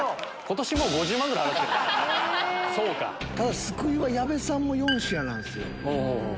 ただ救いは矢部さんも４品なんすよ。